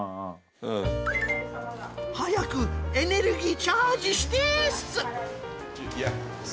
早くエネルギーチャージしてぇっす！